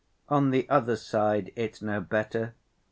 On the other side it's no better.